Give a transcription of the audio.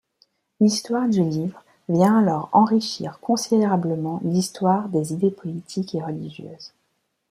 L'histoire du livre vient alors enrichir considérablement l'histoire des idées politiques et religieuses.